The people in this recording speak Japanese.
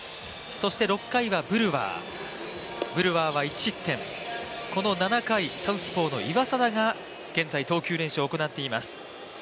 そして６回はブルワーブルワーは１失点、この７回、サウスポーの岩貞が現在投球練習を行っています。